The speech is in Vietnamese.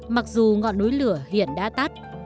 mặc dù ngọn núi lửa hiện đã tắt